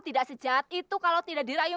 tidak sejahat itu kalau tidak dirayum